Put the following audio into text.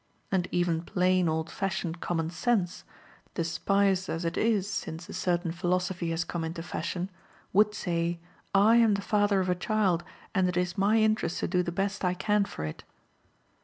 And even plain, old fashioned common sense (despised as it is since a certain philosophy has come into fashion) would say, I am the father of a child, and it is my interest to do the best I can for it.